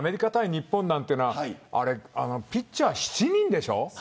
日本なんてピッチャー７人でしょ。